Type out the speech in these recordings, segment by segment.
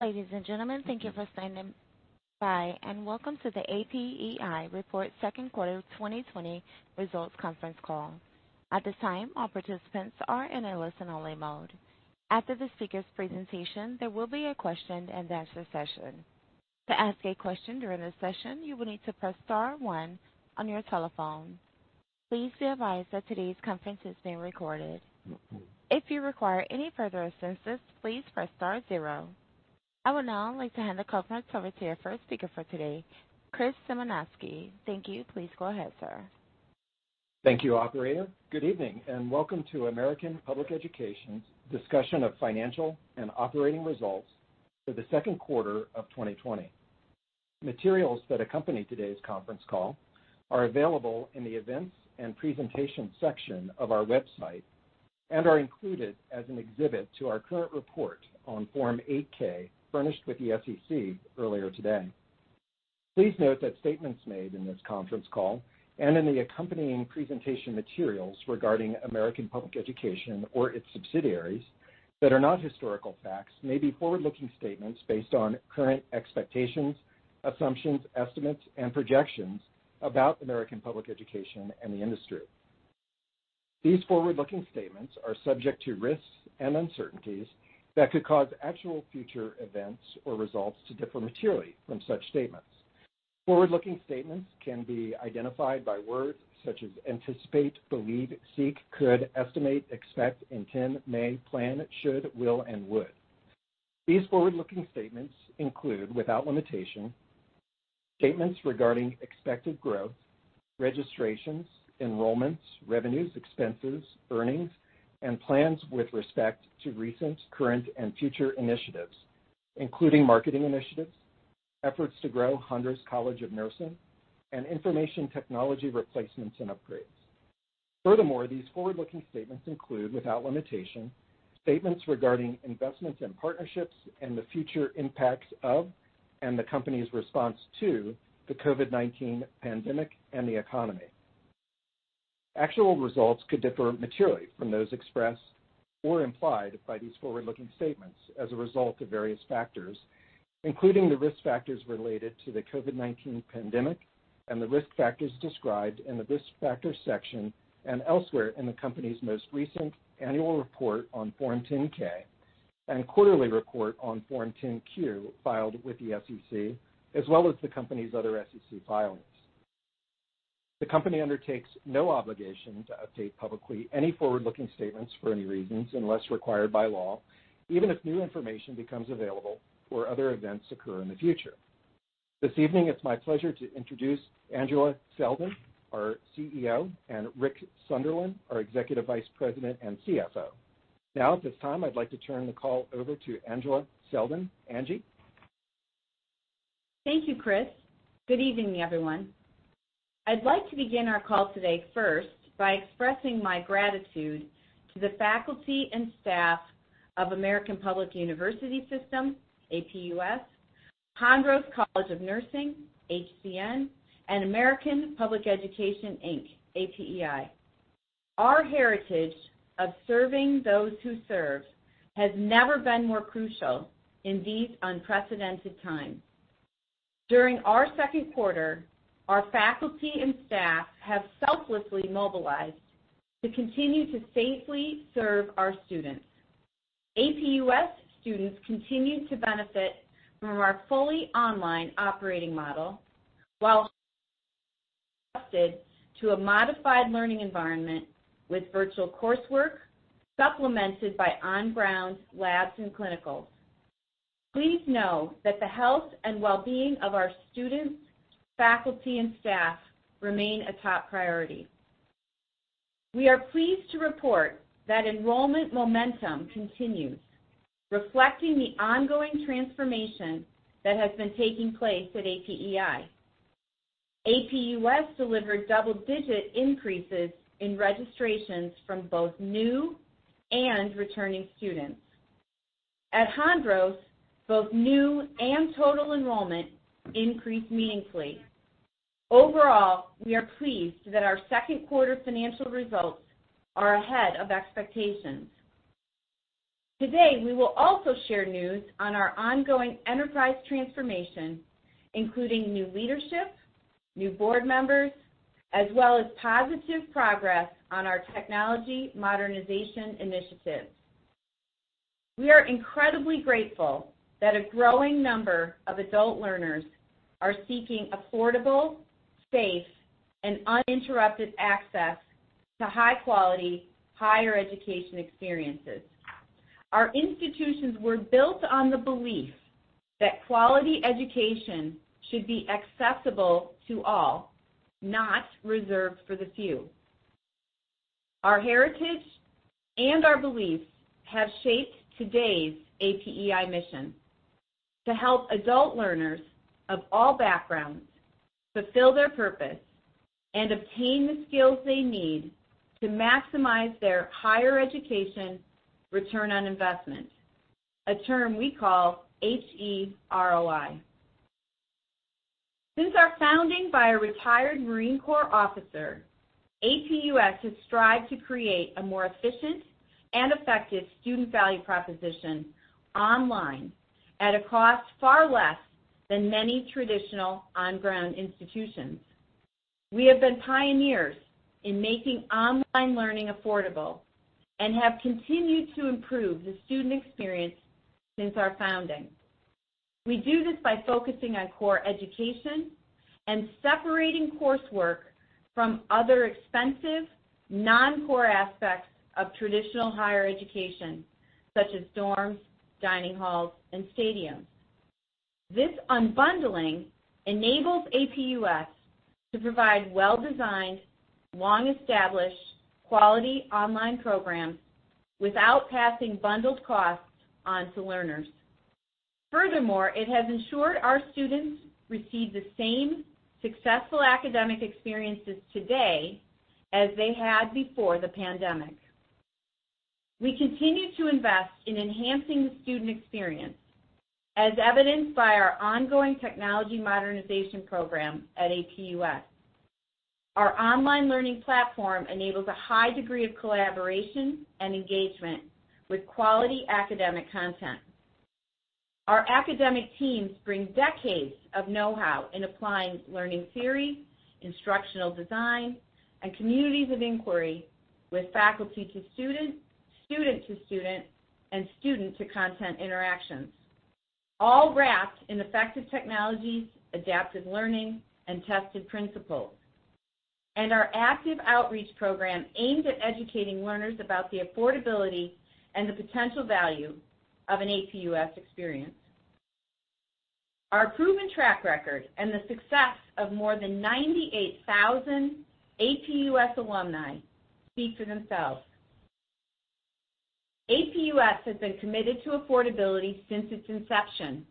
Ladies and gentlemen, thank you for standing by, and welcome to the APEI Report Q2 2020 Results Conference Call. At this time, all participants are in a listen-only mode. After the speakers' presentation, there will be a question and answer session. To ask a question during this session, you will need to press star one on your telephone. Please be advised that today's conference is being recorded. If you require any further assistance, please press star zero. I would now like to hand the conference over to your first speaker for today, Christopher Symanoskie. Thank you. Please go ahead, sir. Thank you, operator. Good evening, and welcome to American Public Education's discussion of financial and operating results for the Q2 of 2020. Materials that accompany today's conference call are available in the events and presentations section of our website and are included as an exhibit to our current report on Form 8-K furnished with the SEC earlier today. Please note that statements made in this conference call and in the accompanying presentation materials regarding American Public Education or its subsidiaries that are not historical facts may be forward-looking statements based on current expectations, assumptions, estimates, and projections about American Public Education and the industry. These forward-looking statements are subject to risks and uncertainties that could cause actual future events or results to differ materially from such statements. Forward-looking statements can be identified by words such as anticipate, believe, seek, could, estimate, expect, intend, may, plan, should, will, and would. These forward-looking statements include, without limitation, statements regarding expected growth, registrations, enrollments, revenues, expenses, earnings, and plans with respect to recent, current, and future initiatives, including marketing initiatives, efforts to grow Hondros College of Nursing, and information technology replacements and upgrades. Furthermore, these forward-looking statements include, without limitation, statements regarding investments in partnerships and the future impacts of and the company's response to the COVID-19 pandemic and the economy. Actual results could differ materially from those expressed or implied by these forward-looking statements as a result of various factors, including the risk factors related to the COVID-19 pandemic and the risk factors described in the risk factor section and elsewhere in the company's most recent annual report on Form 10-K and quarterly report on Form 10-Q filed with the SEC, as well as the company's other SEC filings. The company undertakes no obligation to update publicly any forward-looking statements for any reasons, unless required by law, even if new information becomes available or other events occur in the future. This evening, it's my pleasure to introduce Angela Selden, our CEO, and Rick Sunderland, our Executive Vice President and CFO. At this time, I'd like to turn the call over to Angela Selden. Angela? Thank you, Christopher. Good evening, everyone. I'd like to begin our call today first by expressing my gratitude to the faculty and staff of American Public University System, APUS, Hondros College of Nursing, HCN, and American Public Education, Inc., APEI. Our heritage of serving those who serve has never been more crucial in these unprecedented times. During our Q2, our faculty and staff have selflessly mobilized to continue to safely serve our students. APUS students continue to benefit from our fully online operating model while adjusted to a modified learning environment with virtual coursework supplemented by on-ground labs and clinicals. Please know that the health and wellbeing of our students, faculty, and staff remain a top priority. We are pleased to report that enrollment momentum continues, reflecting the ongoing transformation that has been taking place at APEI. APUS delivered double-digit increases in registrations from both new and returning students. At Hondros, both new and total enrollment increased meaningfully. Overall, we are pleased that our Q2 financial results are ahead of expectations. Today, we will also share news on our ongoing enterprise transformation, including new leadership, new board members, as well as positive progress on our technology modernization initiatives. We are incredibly grateful that a growing number of adult learners are seeking affordable, safe, and uninterrupted access to high-quality higher education experiences. Our institutions were built on the belief that quality education should be accessible to all, not reserved for the few. Our heritage and our beliefs have shaped today's APEI mission: to help adult learners of all backgrounds fulfill their purpose and obtain the skills they need to maximize their higher education return on investment, a term we call HEROI. Since our founding by a retired Marine Corps officer, APUS has strived to create a more efficient and effective student value proposition online at a cost far less than many traditional on-ground institutions. We have been pioneers in making online learning affordable and have continued to improve the student experience since our founding. We do this by focusing on core education and separating coursework from other expensive, non-core aspects of traditional higher education, such as dorms, dining halls, and stadiums. This unbundling enables APUS to provide well-designed, long-established, quality online programs without passing bundled costs on to learners. Furthermore, it has ensured our students receive the same successful academic experiences today as they had before the pandemic. We continue to invest in enhancing the student experience, as evidenced by our ongoing technology modernization program at APUS. Our online learning platform enables a high degree of collaboration and engagement with quality academic content. Our academic teams bring decades of know-how in applying learning theory, instructional design, and communities of inquiry with faculty to student to student, and student to content interactions, all wrapped in effective technologies, adaptive learning, and tested principles. And our active outreach program aimed at educating learners about the affordability and the potential value of an APUS experience. Our proven track record and the success of more than 98,000 APUS alumni speak for themselves. APUS has been committed to affordability since its inception.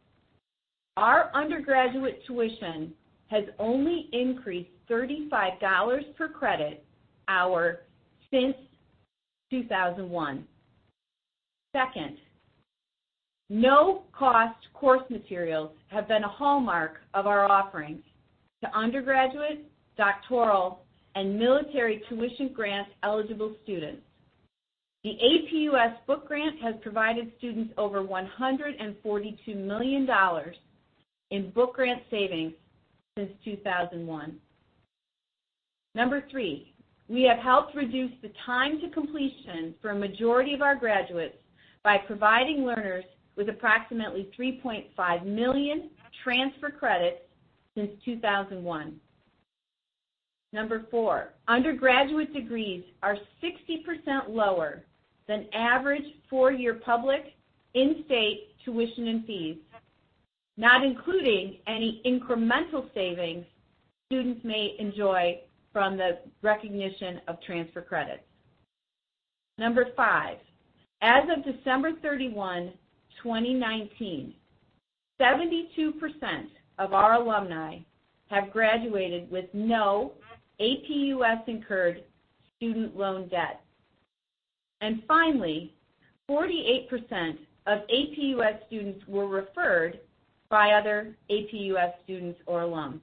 Our undergraduate tuition has only increased $35 per credit hour since 2001. Second no-cost course materials have been a hallmark of our offerings to undergraduate, doctoral, and military tuition grant eligible students. The APUS Book Grant has provided students over $142 million in book grant savings since 2001. Number three, we have helped reduce the time to completion for a majority of our graduates by providing learners with approximately 3.5 million transfer credits since 2001. Number four, undergraduate degrees are 60% lower than average four-year public in-state tuition and fees, not including any incremental savings students may enjoy from the recognition of transfer credits. Number five, as of December 31, 2019, 72% of our alumni have graduated with no APUS-incurred student loan debt. Finally, 48% of APUS students were referred by other APUS students or alums,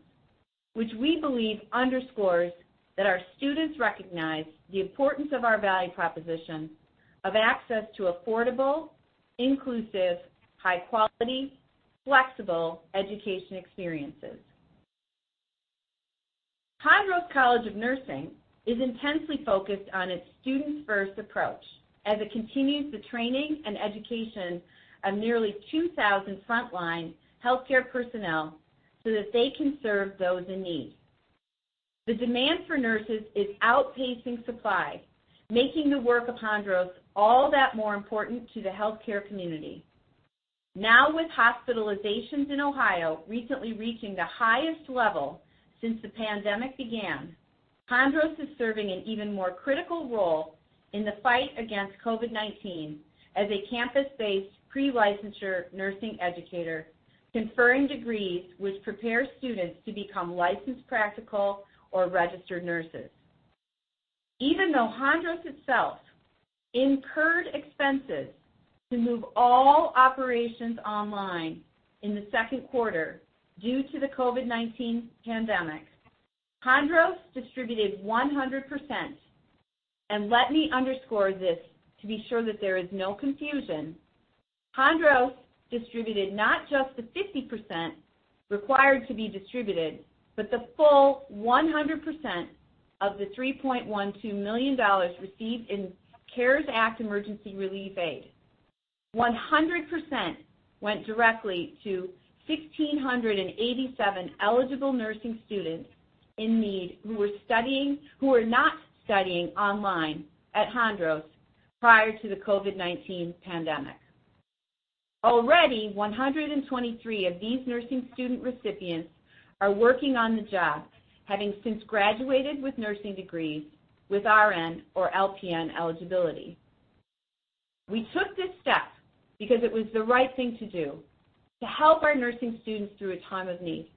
which we believe underscores that our students recognize the importance of our value proposition of access to affordable, inclusive, high quality, flexible education experiences. Hondros College of Nursing is intensely focused on its students first approach as it continues the training and education of nearly 2,000 frontline healthcare personnel so that they can serve those in need. The demand for nurses is outpacing supply, making the work of Hondros all that more important to the healthcare community. With hospitalizations in Ohio recently reaching the highest level since the pandemic began, Hondros is serving an even more critical role in the fight against COVID-19 as a campus-based pre-licensure nursing educator, conferring degrees which prepare students to become licensed practical or registered nurses. Even though Hondros itself incurred expenses to move all operations online in the Q2 due to the COVID-19 pandemic, Hondros distributed 100%, and let me underscore this to be sure that there is no confusion, Hondros distributed not just the 50% required to be distributed, but the full 100% of the $3.12 million received in CARES Act emergency relief aid. 100% went directly to 1,687 eligible nursing students in need who were not studying online at Hondros prior to the COVID-19 pandemic. Already, 123 of these nursing student recipients are working on the job, having since graduated with nursing degrees with RN or LPN eligibility. We took this step because it was the right thing to do to help our nursing students through a time of need.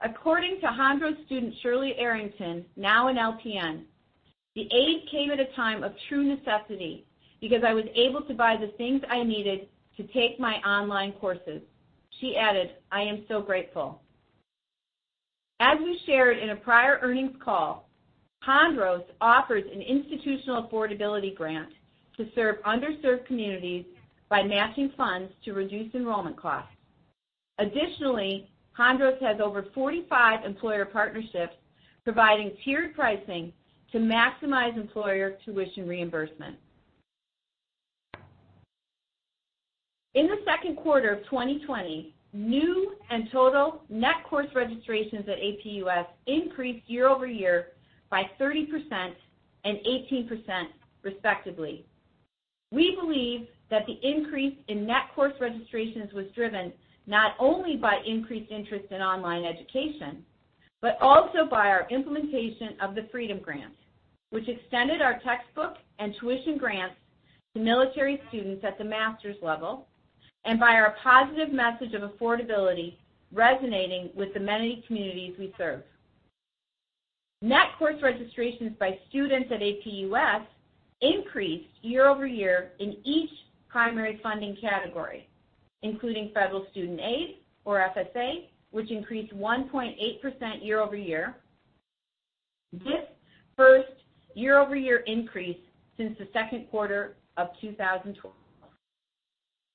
According to Hondros student, Shirley Arrington, now an LPN, "The aid came at a time of true necessity because I was able to buy the things I needed to take my online courses." She added, "I am so grateful." As we shared in a prior earnings call, Hondros offers an institutional affordability grant to serve underserved communities by matching funds to reduce enrollment costs. Additionally, Hondros has over 45 employer partnerships providing tiered pricing to maximize employer tuition reimbursement. In the Q2 of 2020, new and total net course registrations at APUS increased year-over-year by 30% and 18%, respectively. We believe that the increase in net course registrations was driven not only by increased interest in online education, but also by our implementation of the Freedom Grant, which extended our textbook and tuition grants to military students at the master's level, and by our positive message of affordability resonating with the many communities we serve. Net course registrations by students at APUS increased year-over-year in each primary funding category, including Federal Student Aid or FSA, which increased 1.8% year-over-year, this first year-over-year increase since the Q2 of 2012.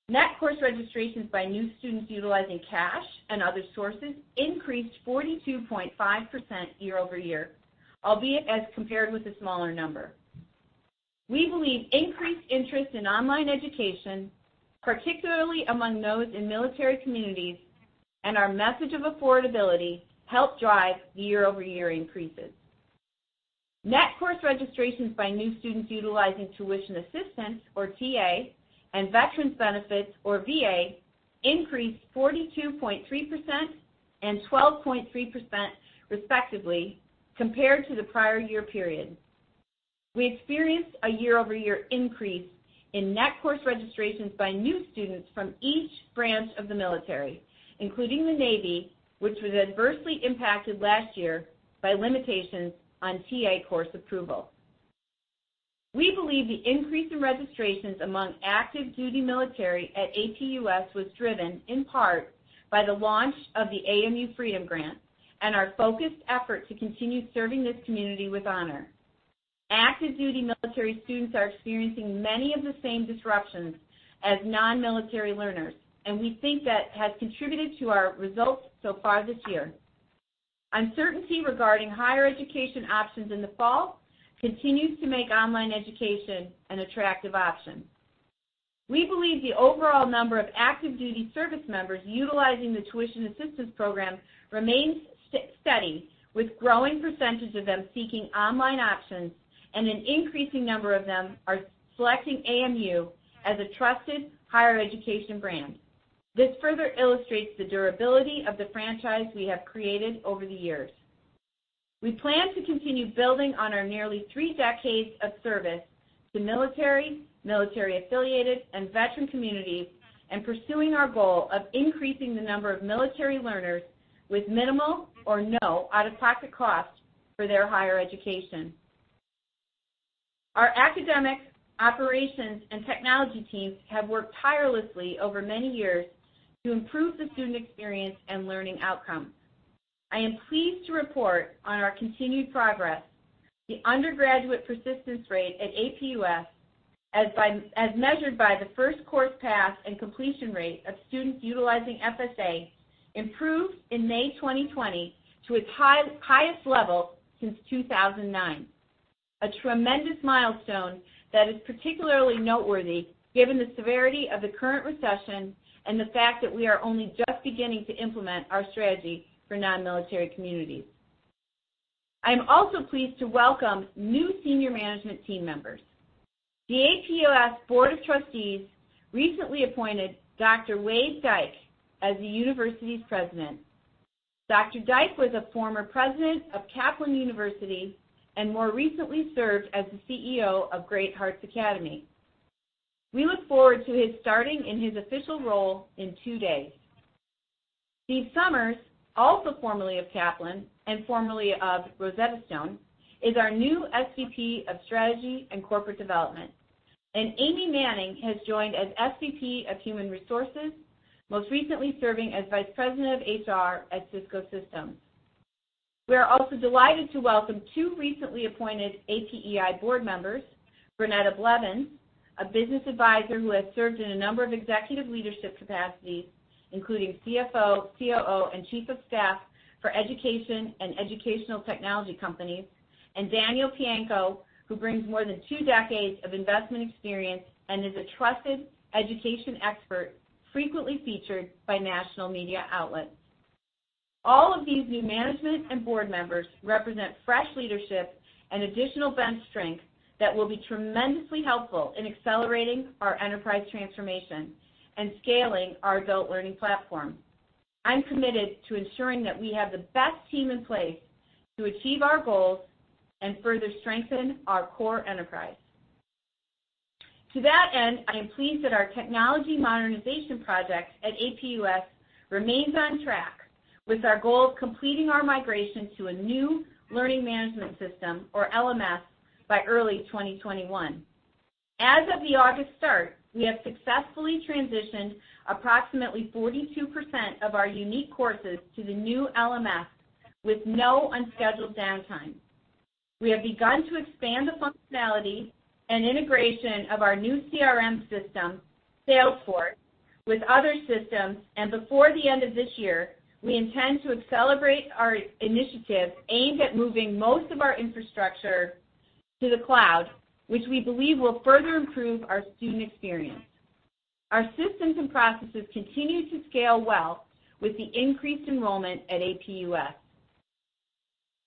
Net course registrations by new students utilizing cash and other sources increased 42.5% year-over-year, albeit as compared with a smaller number. We believe increased interest in online education, particularly among those in military communities, and our message of affordability helped drive the year-over-year increases. Net course registrations by new students utilizing Tuition Assistance, or TA, and Veterans Benefits, or VA, increased 42.3% and 12.3%, respectively, compared to the prior year period. We experienced a year-over-year increase in net course registrations by new students from each branch of the military, including the Navy, which was adversely impacted last year by limitations on TA course approval. We believe the increase in registrations among active duty military at APUS was driven in part by the launch of the AMU Freedom Grant and our focused effort to continue serving this community with honor. Active duty military students are experiencing many of the same disruptions as non-military learners, and we think that has contributed to our results so far this year. Uncertainty regarding higher education options in the fall continues to make online education an attractive option. We believe the overall number of active duty service members utilizing the Tuition Assistance Program remains steady, with growing percentage of them seeking online options and an increasing number of them are selecting AMU as a trusted higher education brand. This further illustrates the durability of the franchise we have created over the years. We plan to continue building on our nearly three decades of service to military-affiliated, and veteran communities, and pursuing our goal of increasing the number of military learners with minimal or no out-of-pocket costs for their higher education. Our academic, operations, and technology teams have worked tirelessly over many years to improve the student experience and learning outcomes. I am pleased to report on our continued progress. The undergraduate persistence rate at APUS, as measured by the first course pass and completion rate of students utilizing FSA, improved in May 2020 to its highest level since 2009. A tremendous milestone that is particularly noteworthy given the severity of the current recession and the fact that we are only just beginning to implement our strategy for non-military communities. I am also pleased to welcome new senior management team members. The APUS Board of Trustees recently appointed Dr. Wade Dyke as the university's president. Dr. Dyke was a former president of Kaplan University and more recently served as the CEO of Great Hearts Academies. We look forward to his starting in his official role in two days. Steve Somers, also formerly of Kaplan and formerly of Rosetta Stone, is our new SVP of Strategy and Corporate Development, and Amy Manning has joined as SVP of Human Resources, most recently serving as Vice President of HR at Cisco Systems. We are also delighted to welcome two recently appointed APEI board members, Granetta Blevins, a business advisor who has served in a number of executive leadership capacities, including CFO, COO, and chief of staff for education and educational technology companies, and Daniel Pianko, who brings more than two decades of investment experience and is a trusted education expert, frequently featured by national media outlets. All of these new management and board members represent fresh leadership and additional bench strength that will be tremendously helpful in accelerating our enterprise transformation and scaling our adult learning platform. I'm committed to ensuring that we have the best team in place to achieve our goals and further strengthen our core enterprise. To that end, I am pleased that our technology modernization project at APUS remains on track with our goal of completing our migration to a new learning management system, or LMS, by early 2021. As of the August start, we have successfully transitioned approximately 42% of our unique courses to the new LMS with no unscheduled downtime. We have begun to expand the functionality and integration of our new CRM system, Salesforce, with other systems, and before the end of this year, we intend to accelerate our initiatives aimed at moving most of our infrastructure to the cloud, which we believe will further improve our student experience. Our systems and processes continue to scale well with the increased enrollment at APUS.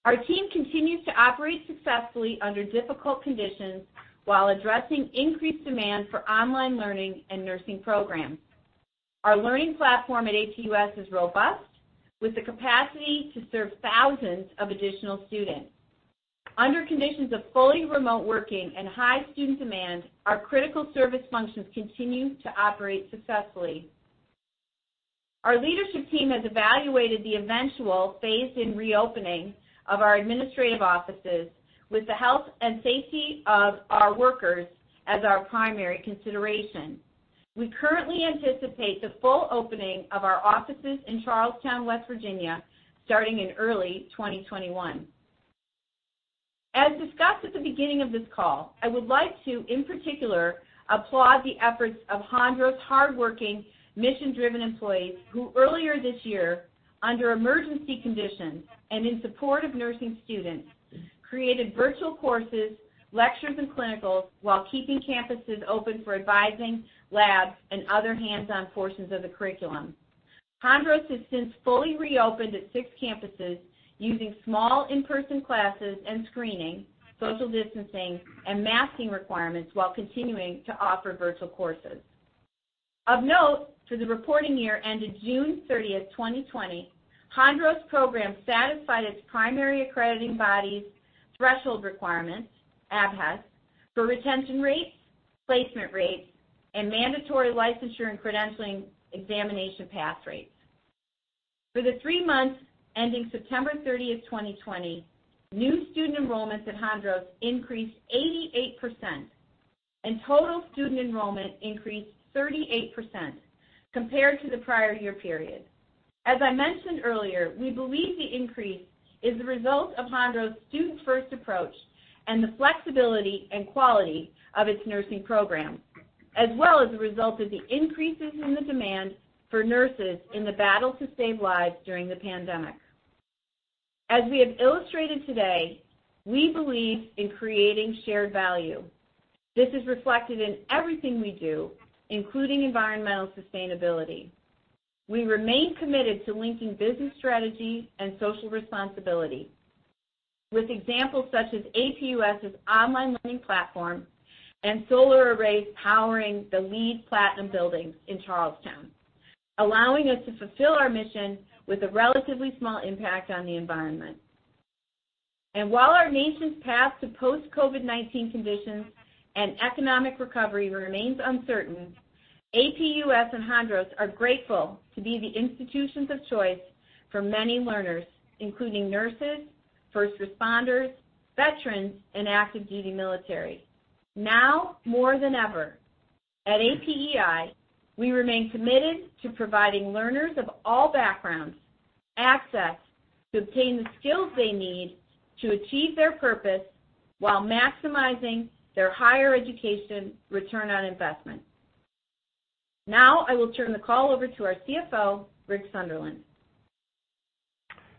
Our team continues to operate successfully under difficult conditions while addressing increased demand for online learning and nursing programs. Our learning platform at APUS is robust, with the capacity to serve thousands of additional students. Under conditions of fully remote working and high student demand, our critical service functions continue to operate successfully. Our leadership team has evaluated the eventual phase in reopening of our administrative offices with the health and safety of our workers as our primary consideration. We currently anticipate the full opening of our offices in Charles Town, West Virginia, starting in early 2021. As discussed at the beginning of this call, I would like to, in particular, applaud the efforts of Hondros' hardworking, mission-driven employees, who earlier this year, under emergency conditions and in support of nursing students, created virtual courses, lectures, and clinicals while keeping campuses open for advising, labs, and other hands-on portions of the curriculum. Hondros has since fully reopened its six campuses using small in-person classes and screening, social distancing, and masking requirements while continuing to offer virtual courses. Of note for the reporting year ended June 30th, 2020, Hondros program satisfied its primary accrediting body's threshold requirements, ABHES, for retention rates, placement rates, and mandatory licensure and credentialing examination pass rates. For the three months ending September 30th, 2020, new student enrollments at Hondros increased 88%, and total student enrollment increased 38% compared to the prior year period. As I mentioned earlier, we believe the increase is the result of Hondros' students first approach and the flexibility and quality of its nursing program, as well as a result of the increases in the demand for nurses in the battle to save lives during the pandemic. As we have illustrated today, we believe in creating shared value. This is reflected in everything we do, including environmental sustainability. We remain committed to linking business strategy and social responsibility with examples such as APUS' online learning platform and solar arrays powering the LEED Platinum buildings in Charles Town, allowing us to fulfill our mission with a relatively small impact on the environment. While our nation's path to post-COVID-19 conditions and economic recovery remains uncertain, APUS and Hondros are grateful to be the institutions of choice for many learners, including nurses, first responders, veterans, and active duty military. Now more than ever, at APEI, we remain committed to providing learners of all backgrounds access to obtain the skills they need to achieve their purpose while maximizing their higher education return on investment. Now, I will turn the call over to our CFO, Rick Sunderland.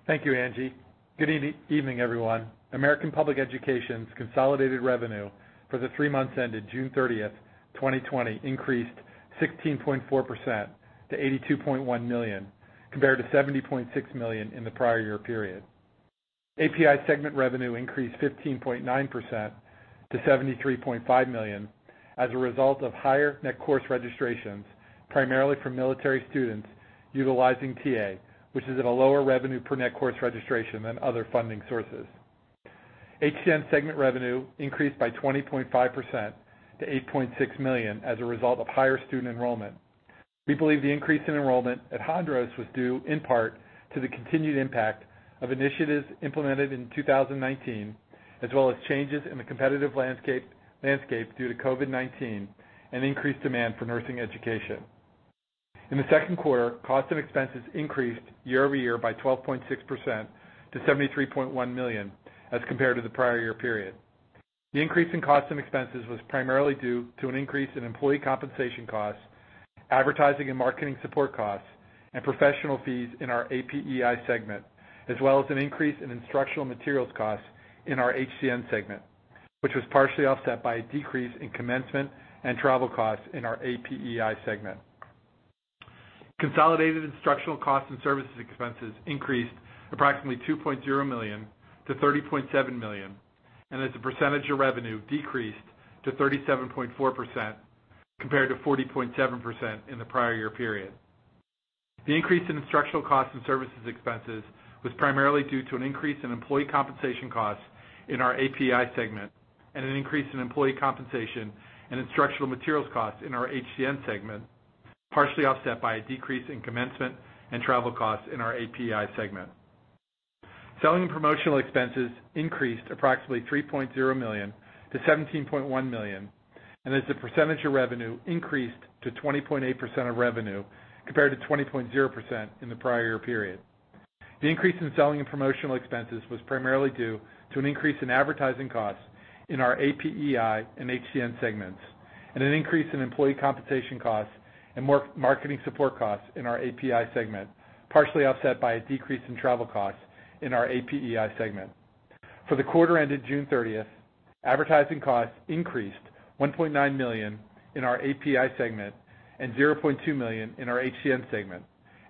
Thank you, Angela. Good evening, everyone. American Public Education's consolidated revenue for the three months ended June 30th, 2020 increased 16.4% to $82.1 million, compared to $70.6 million in the prior year period. APEI segment revenue increased 15.9% to $73.5 million as a result of higher net course registrations, primarily from military students utilizing TA, which is at a lower revenue per net course registration than other funding sources. HCN segment revenue increased by 20.5% to $8.6 million as a result of higher student enrollment. We believe the increase in enrollment at Hondros was due in part to the continued impact of initiatives implemented in 2019, as well as changes in the competitive landscape due to COVID-19 and increased demand for nursing education. In the Q2, costs and expenses increased year-over-year by 12.6% to $73.1 million as compared to the prior year period. The increase in costs and expenses was primarily due to an increase in employee compensation costs, advertising and marketing support costs, and professional fees in our APEI segment, as well as an increase in instructional materials costs in our HCN segment, which was partially offset by a decrease in commencement and travel costs in our APEI segment. Consolidated instructional costs and services expenses increased approximately $2.0 million to $30.7 million, and as a percentage of revenue decreased to 37.4% compared to 40.7% in the prior year period. The increase in instructional costs and services expenses was primarily due to an increase in employee compensation costs in our APEI segment and an increase in employee compensation and instructional materials costs in our HCN segment, partially offset by a decrease in commencement and travel costs in our APEI segment. Selling and promotional expenses increased approximately $3.0 million to $17.1 million, and as a percentage of revenue, increased to 20.8% of revenue compared to 20.0% in the prior year period. The increase in selling and promotional expenses was primarily due to an increase in advertising costs in our APEI and HCN segments, and an increase in employee compensation costs and marketing support costs in our APEI segment, partially offset by a decrease in travel costs in our APEI segment. For the quarter ended June 30th, advertising costs increased $1.9 million in our APEI segment and $0.2 million in our HCN segment,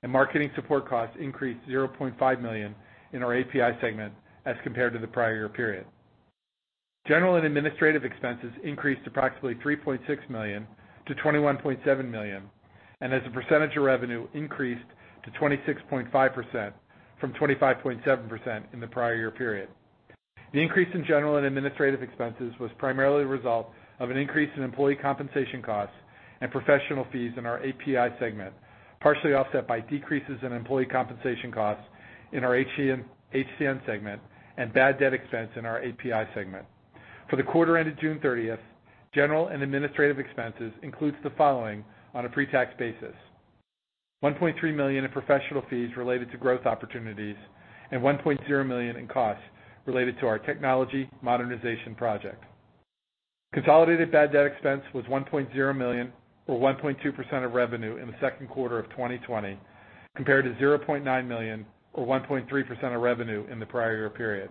and marketing support costs increased $0.5 million in our APEI segment as compared to the prior year period. General and administrative expenses increased approximately $3.6 million to $21.7 million, and as a percentage of revenue, increased to 26.5% from 25.7% in the prior year period. The increase in general and administrative expenses was primarily a result of an increase in employee compensation costs and professional fees in our APEI segment, partially offset by decreases in employee compensation costs in our HCN segment and bad debt expense in our APEI segment. For the quarter ended June 30th, general and administrative expenses includes the following on a pre-tax basis, $1.3 million in professional fees related to growth opportunities and $1.0 million in costs related to our technology modernization project. Consolidated bad debt expense was $1.0 million or 1.2% of revenue in the Q2 of 2020, compared to $0.9 million or 1.3% of revenue in the prior year period.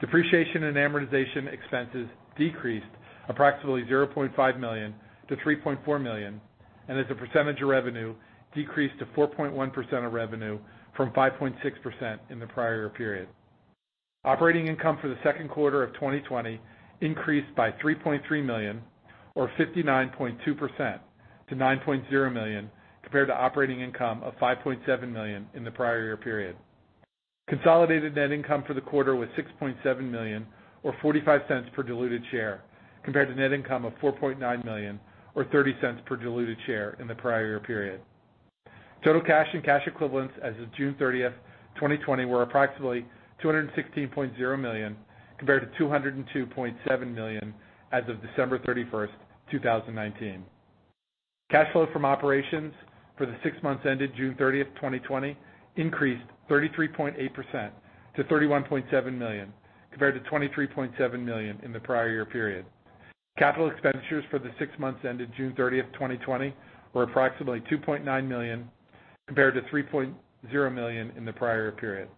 Depreciation and amortization expenses decreased approximately $0.5 million to $3.4 million, and as a percentage of revenue, decreased to 4.1% of revenue from 5.6% in the prior year period. Operating income for the Q2 of 2020 increased by $3.3 million or 59.2% to $9.0 million compared to operating income of $5.7 million in the prior year period. Consolidated net income for the quarter was $6.7 million or $0.45 per diluted share compared to net income of $4.9 million or $0.30 per diluted share in the prior year period. Total cash and cash equivalents as of June 30th, 2020, were approximately $216.0 million compared to $202.7 million as of December 31st, 2019. Cash flow from operations for the six months ended June 30th, 2020, increased 33.8% to $31.7 million compared to $23.7 million in the prior year period. Capital expenditures for the six months ended June 30th, 2020, were approximately $2.9 million compared to $3.0 million in the prior year period.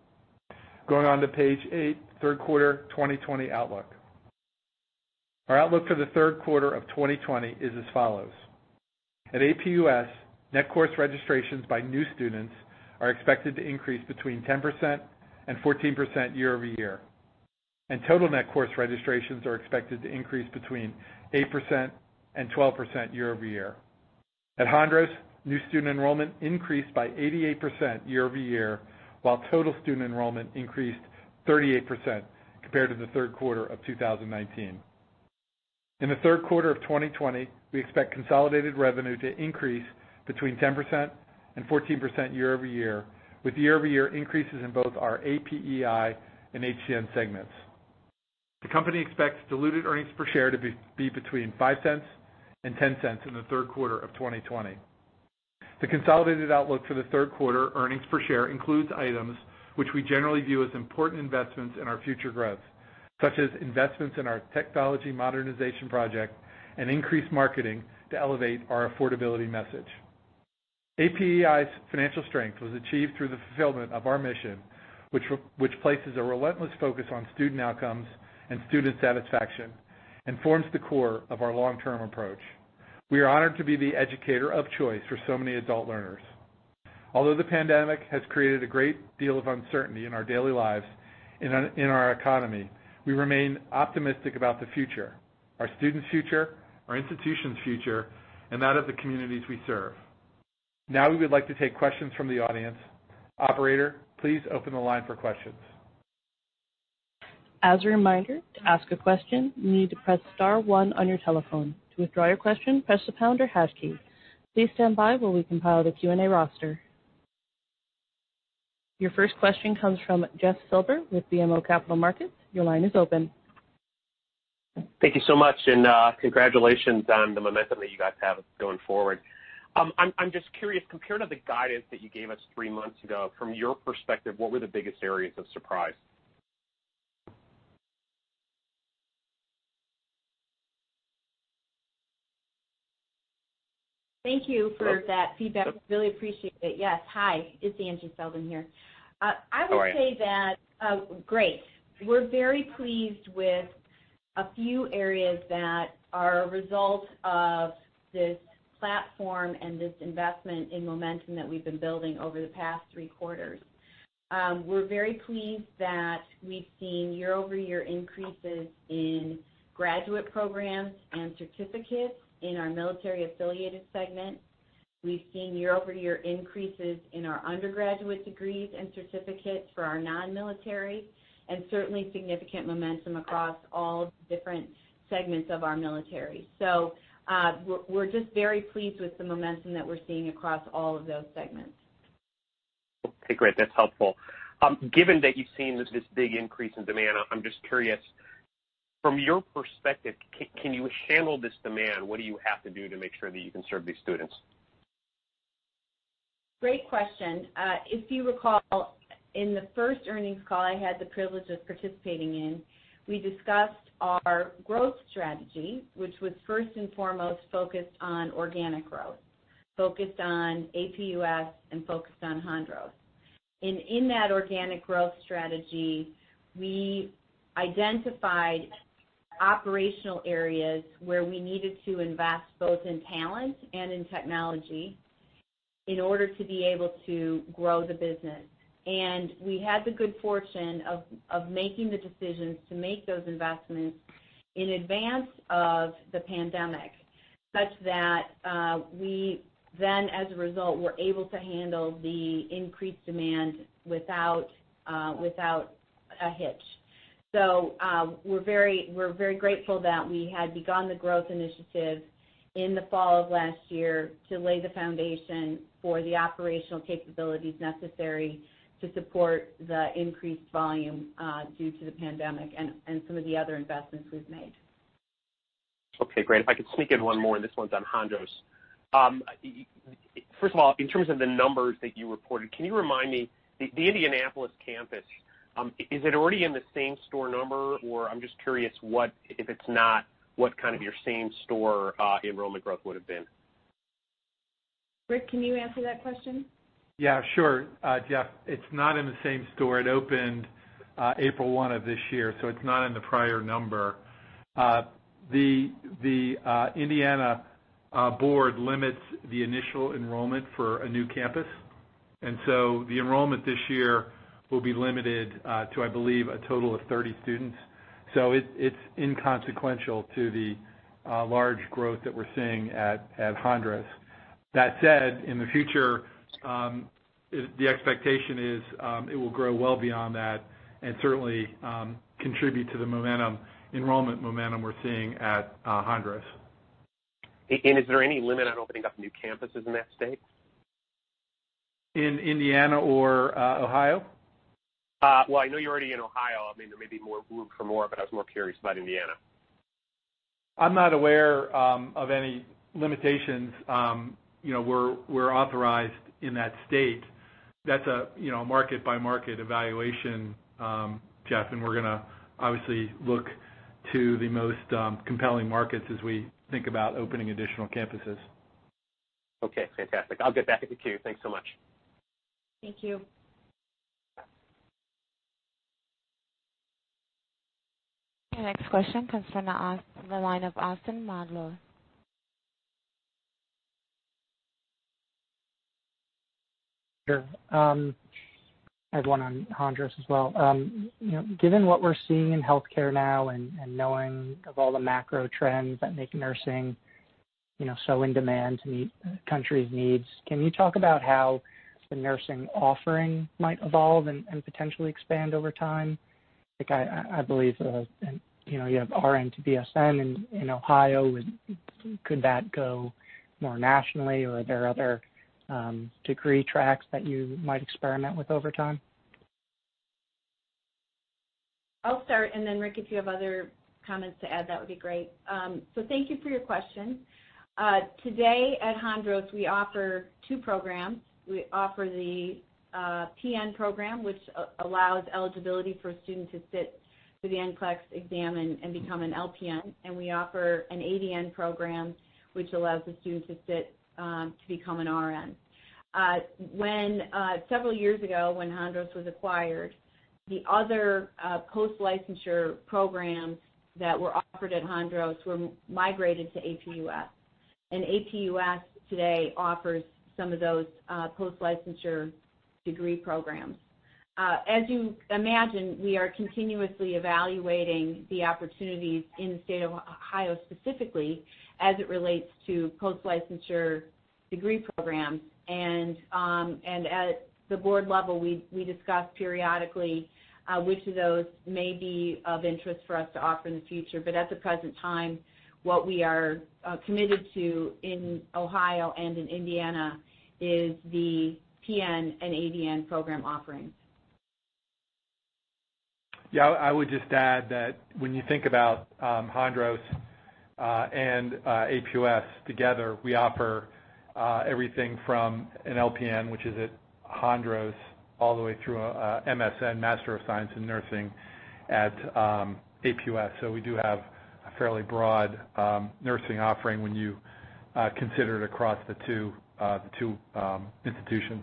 Going on to page eight, Q3 2020 outlook. Our outlook for the Q3 of 2020 is as follows. At APUS, net course registrations by new students are expected to increase between 10% to 14% year-over-year, and total net course registrations are expected to increase between 8% to 12% year-over-year. At Hondros, new student enrollment increased by 88% year-over-year, while total student enrollment increased 38% compared to the Q3 of 2019. In the Q3 of 2020, we expect consolidated revenue to increase between 10% to 14% year-over-year, with year-over-year increases in both our APEI and HCN segments. The company expects diluted earnings per share to be between $0.05 and $0.10 in the Q3 of 2020. The consolidated outlook for the Q3 earnings per share includes items which we generally view as important investments in our future growth, such as investments in our technology modernization project and increased marketing to elevate our affordability message. APEI's financial strength was achieved through the fulfillment of our mission, which places a relentless focus on student outcomes and student satisfaction and forms the core of our long-term approach. We are honored to be the educator of choice for so many adult learners. Although the pandemic has created a great deal of uncertainty in our daily lives and in our economy, we remain optimistic about the future, our students' future, our institution's future, and that of the communities we serve. Now we would like to take questions from the audience. Operator, please open the line for questions. As a reminder, to ask a question, you need to press star one on your telephone. If youd like a question, press the pound or hash key. Please stand by while we compile the Q and A roster. Your first question comes from Jeff Silber with BMO Capital Markets. Your line is open. Thank you so much. Congratulations on the momentum that you guys have going forward. I'm just curious, compared to the guidance that you gave us three months ago, from your perspective, what were the biggest areas of surprise? Thank you for that feedback. Really appreciate it. Yes, hi. It's Angela Selden here. How are you? Great. We're very pleased with a few areas that are a result of this platform and this investment in momentum that we've been building over the past three quarters. We're very pleased that we've seen year-over-year increases in graduate programs and certificates in our military-affiliated segment. We've seen year-over-year increases in our undergraduate degrees and certificates for our non-military, and certainly significant momentum across all different segments of our military. We're just very pleased with the momentum that we're seeing across all of those segments. Okay, great. That's helpful. Given that you've seen this big increase in demand, I'm just curious, from your perspective, can you handle this demand? What do you have to do to make sure that you can serve these students? Great question. If you recall, in the first earnings call I had the privilege of participating in, we discussed our growth strategy, which was first and foremost focused on organic growth, focused on APUS, and focused on Hondros. In that organic growth strategy, we identified operational areas where we needed to invest both in talent and in technology in order to be able to grow the business. We had the good fortune of making the decisions to make those investments in advance of the pandemic, such that we then, as a result, were able to handle the increased demand without a hitch. So we're very grateful that we had begun the growth initiative in the fall of last year to lay the foundation for the operational capabilities necessary to support the increased volume due to the pandemic and some of the other investments we've made. Okay, great. If I could sneak in one more, this one's on Hondros. First of all, in terms of the numbers that you reported, can you remind me, the Indianapolis campus, is it already in the same-store number? I'm just curious, if it's not, what your same-store enrollment growth would've been? Rick, can you answer that question? Sure. Jeff, it's not in the same store. It opened April 1 of this year, so it's not in the prior number. The Indiana Board limits the initial enrollment for a new campus. And so the enrollment this year will be limited to, I believe, a total of 30 students. It's inconsequential to the large growth that we're seeing at Hondros. That said, in the future, the expectation is it will grow well beyond that and certainly contribute to the enrollment momentum we're seeing at Hondros. Is there any limit on opening up new campuses in that state? In Indiana or Ohio? Well, I know you're already in Ohio. There may be more room for more, but I was more curious about Indiana. I'm not aware of any limitations. We're authorized in that state. That's a market-by-market evaluation, Jeff. We're going to obviously look to the most compelling markets as we think about opening additional campuses. Okay, fantastic. I'll get back in the queue. Thanks so much. Thank you. Your next question comes from the line of Austin Marlow. Sure. I had one on Hondros as well. Given what we're seeing in healthcare now and knowing of all the macro trends that make nursing so in demand to meet the country's needs, can you talk about how the nursing offering might evolve and potentially expand over time? I believe you have RN to BSN in Ohio. Could that go more nationally, or are there other degree tracks that you might experiment with over time? I'll start, and then Rick, if you have other comments to add, that would be great. Thank you for your question. Today at Hondros, we offer two programs. We offer the PN program, which allows eligibility for a student to sit for the NCLEX exam and become an LPN. We offer an ADN program which allows the student to sit to become an RN. Then several years ago, when Hondros was acquired, the other post-licensure programs that were offered at Hondros were migrated to APUS. APUS today offers some of those post-licensure degree programs. As you imagine, we are continuously evaluating the opportunities in the state of Ohio specifically as it relates to post-licensure degree programs. At the board level, we discuss periodically which of those may be of interest for us to offer in the future. At the present time, what we are committed to in Ohio and in Indiana is the PN and ADN program offerings. Yeah. I would just add that when you think about Hondros and APUS together, we offer everything from an LPN, which is at Hondros, all the way through a MSN, Master of Science in Nursing, at APUS. We do have a fairly broad nursing offering when you consider it across the two institutions.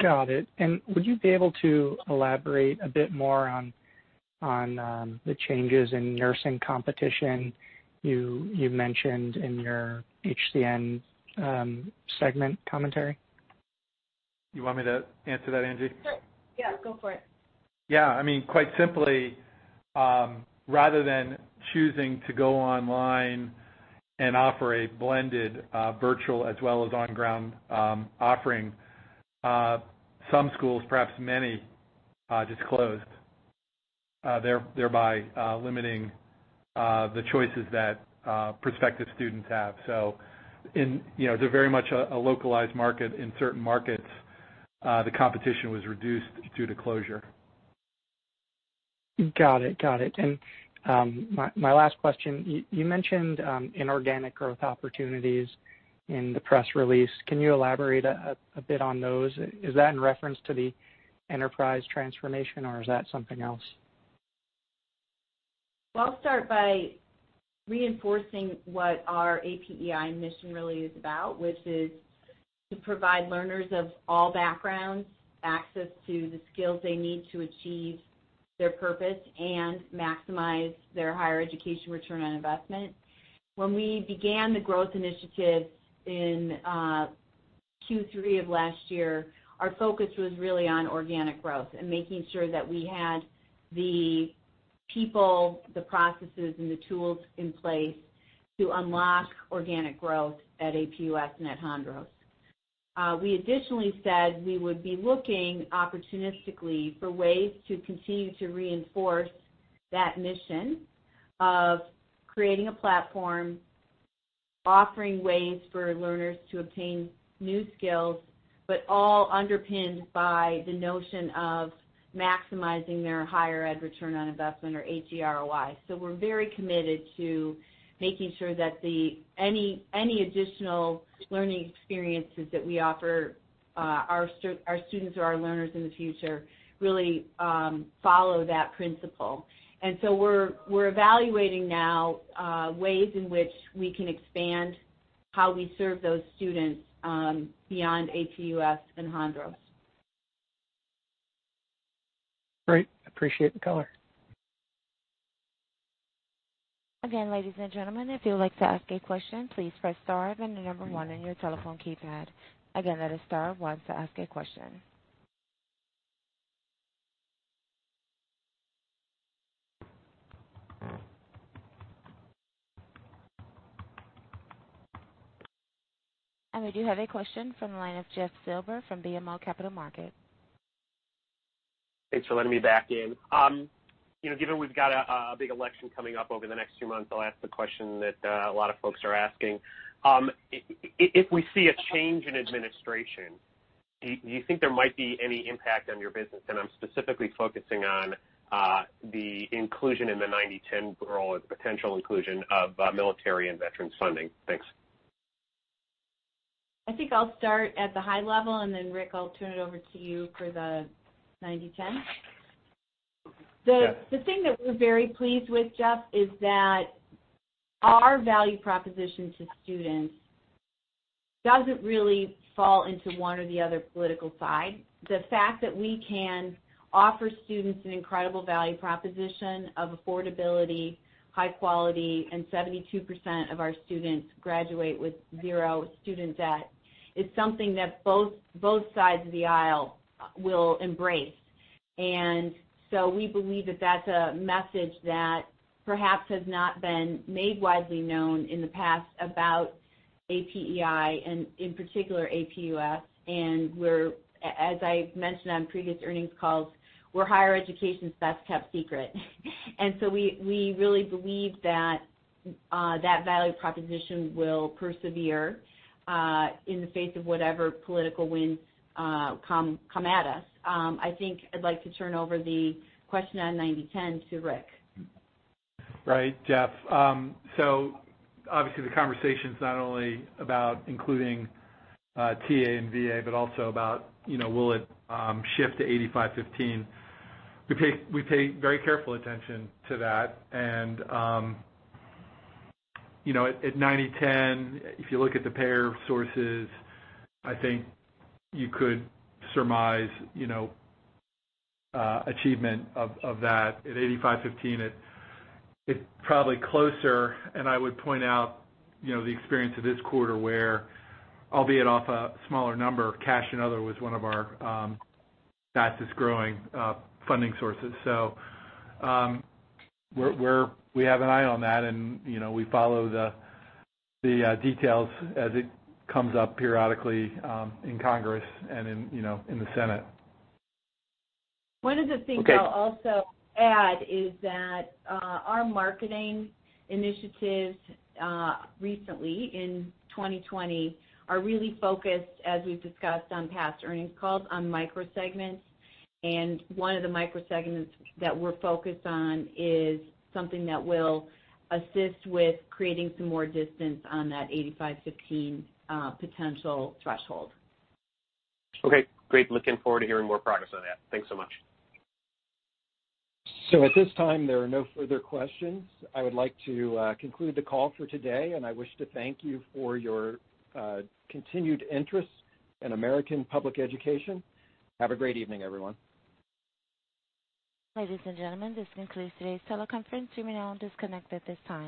Got it. Would you be able to elaborate a bit more on the changes in nursing competition you mentioned in your HCN segment commentary? You want me to answer that, Angela? Sure, yeah. Go for it. Yeah. Quite simply, rather than choosing to go online and offer a blended virtual as well as on-ground offering, some schools, perhaps many, just closed, thereby limiting the choices that prospective students have. They're very much a localized market. In certain markets, the competition was reduced due to closure. Got it. My last question, you mentioned inorganic growth opportunities in the press release. Can you elaborate a bit on those? Is that in reference to the enterprise transformation, or is that something else? Well, I'll start by reinforcing what our APEI mission really is about, which is to provide learners of all backgrounds access to the skills they need to achieve their purpose and maximize their higher education return on investment. When we began the growth initiative in Q3 of last year, our focus was really on organic growth and making sure that we had the people, the processes, and the tools in place to unlock organic growth at APUS and at Hondros. We additionally said we would be looking opportunistically for ways to continue to reinforce that mission of creating a platform, offering ways for learners to obtain new skills, but all underpinned by the notion of maximizing their higher ed return on investment or HEROI. We're very committed to making sure that any additional learning experiences that we offer our students or our learners in the future really follow that principle. We're evaluating now ways in which we can expand how we serve those students beyond APUS and Hondros. Great. Appreciate go on. Again, ladies and gentlemen, if you would like to ask a question, please press star and the number one on your telephone keypad. Again, that is star one to ask a question. We do have a question from the line of Jeff Silber from BMO Capital Markets. Thanks for letting me back in. Given we've got a big election coming up over the next few months, I'll ask the question that a lot of folks are asking. If we see a change in administration, do you think there might be any impact on your business? I'm specifically focusing on the inclusion in the 90/10 rule or the potential inclusion of military and veteran funding. Thanks. I think I'll start at the high level, and then Rick, I'll turn it over to you for the 90/10. Yeah. The thing that we're very pleased with, Jeff, is that our value proposition to students doesn't really fall into one or the other political side. The fact that we can offer students an incredible value proposition of affordability, high quality, and 72% of our students graduate with zero student debt is something that both sides of the aisle will embrace. And so we believe that that's a message that perhaps has not been made widely known in the past about APEI and in particular, APUS. As I've mentioned on previous earnings calls, we're higher education's best-kept secret. So we really believe that that value proposition will persevere in the face of whatever political winds come at us. I think I'd like to turn over the question on 90/10 to Rick. Right. Jeff, obviously the conversation's not only about including TA and VA, but also about will it shift to 85/15. We pay very careful attention to that. At 90/10, if you look at the payer sources, I think you could surmise you know achievement of that. At 85/15, it's probably closer, and I would point out the experience of this quarter where, albeit off a smaller number, cash and other was one of our fastest-growing funding sources. We have an eye on that, and we follow the details as it comes up periodically in Congress and in the Senate. Okay. One of the things I'll also add is that our marketing initiatives recently in 2020 are really focused, as we've discussed on past earnings calls, on micro segments. One of the micro segments that we're focused on is something that will assist with creating some more distance on that 85/15 potential threshold. Okay, great. Looking forward to hearing more progress on that. Thanks so much. At this time, there are no further questions. I would like to conclude the call for today, and I wish to thank you for your continued interest in American Public Education. Have a great evening, everyone. Ladies and gentlemen, this concludes today's teleconference. You may now disconnect at this time.